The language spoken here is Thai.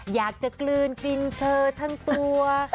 อยากจะกลืนกินเธอทั้งตัว